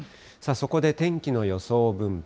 そこで天気の予想分布。